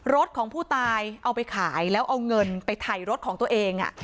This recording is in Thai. รถของผู้ตายเอาไปขายแล้วเอาเงินไปถ่ายรถของตัวเอง